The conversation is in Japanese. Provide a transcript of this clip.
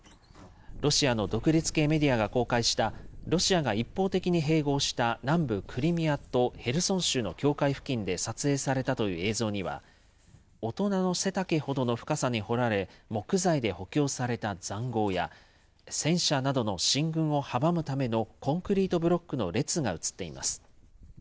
ロシアの独立系メディアが公開した、ロシアが一方的に併合した南部クリミアとヘルソン州の境界付近で撮影されたという映像には、大人の背丈ほどの深さに掘られ、木材で補強されたざんごうや、戦車などの進軍を阻むためのコンクリートブロックの列が写っています。